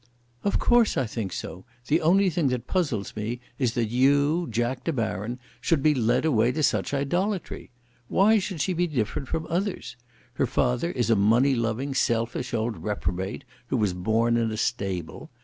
"Of course I think so. The only thing that puzzles me is that you, Jack De Baron, should be led away to such idolatry. Why should she be different from others? Her father is a money loving, selfish old reprobate, who was born in a stable.